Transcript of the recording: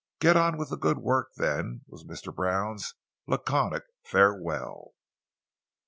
"Get on with the good work, then," was Mr. Brown's laconic farewell.